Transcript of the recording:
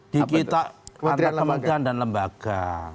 dikita antar kementerian dan lembaga